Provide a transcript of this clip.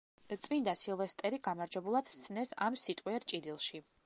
წმინდა სილვესტერი გამარჯვებულად სცნეს ამ სიტყვიერ ჭიდილში.